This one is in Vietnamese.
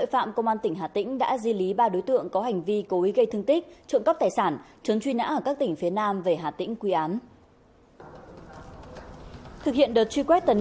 hãy đăng ký kênh để ủng hộ kênh của chúng mình nhé